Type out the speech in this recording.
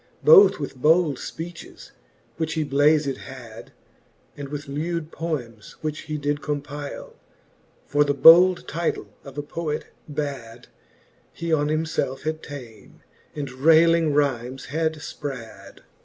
Both with bold {peaches, which he blazed had, And with lewd poems, which he did compyle \ For the bold title of a Poet bad He on himfelfe had ta'en, and rayling rymes had fprad.